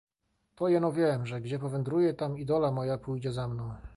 "To jeno wiem, że gdzie powędruję, tam i dola moja pójdzie za mną."